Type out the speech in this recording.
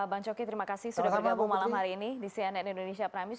bang coki terima kasih sudah bergabung malam hari ini di cnn indonesia prime news